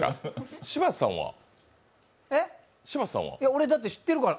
俺、だって知ってるから。